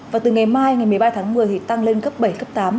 và từ ngày mai ngày một mươi ba tháng một mươi tăng lên cấp bảy cấp tám